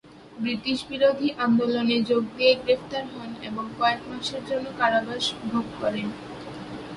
ব্রিটিশবিরোধী আন্দোলনে যোগ দিয়ে গ্রেফতার হন এবং কয়েক মাসের জন্য কারাবাস ভোগ করেন।